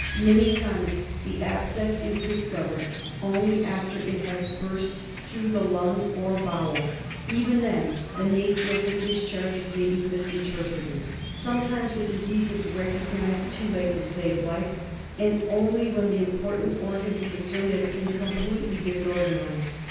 Many times the abscess is dis covered only after it has burst through the lung or bowel ; even then the nature of the discharge may be misinter 174 DIAGNOSIS OF preted. Sometimes the disease is recognised too late to save life, and only when the important organ concerned has been completely disorganised.